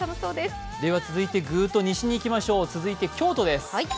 続いてぐっと西にいきましょう、続いて京都です。